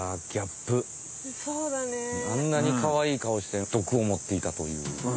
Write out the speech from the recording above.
あんなにかわいいかおして毒を持っていたという。